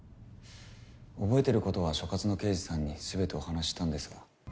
覚えてることは所轄の刑事さんにすべてお話したんですが。